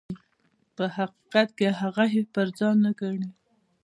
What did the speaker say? په حقیقت کې هغه یې پر ځان نه ګڼي.